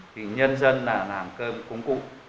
thì nhân dân là làm cơm cúng cụ